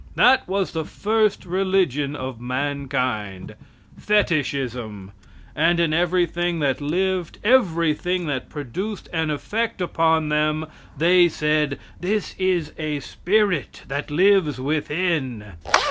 That was the first religion of mankind fetichism and in everything that lived, everything that produced an effect upon them, they said: "This is a spirit that lives within."